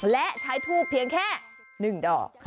และใช้ทูบเพียงแค่๑ดอก